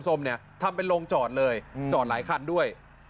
ทำเป็นโรงจอดเลยจอดหลายคันด้วย